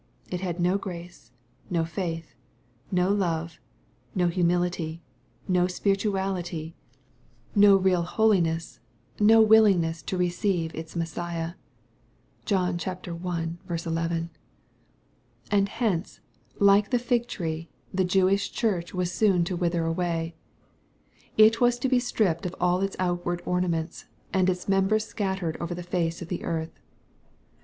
It had no grace, no faith, no love, no humility, no spirituality, no I / 270 EXPOSITORY THOUGHTS. real holiness, no wilIingnesQj;o receiveits Messiah. ' (John i. 11.) And hence, like the fig tree, the Jewish church was soon to wither away. It wad to be stripped of all its outward ornaments, and its members scattered orer the face of the earth.